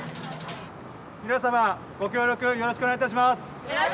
皆様ご協力よろしくお願いいたします。